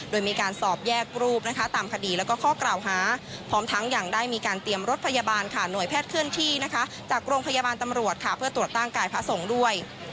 โดยมีการสอบแยกรูปนะคะตามคดีแล้วก็ข้อกล่าวหาพร้อมทั้งยังได้มีการเตรียมรถพยาบาลค่ะหน่วยแพทย์เคลื่อนที่นะคะจากโรงพยาบาลตำรวจค่ะเพื่อตรวจร่างกายพระสงฆ์ด้วย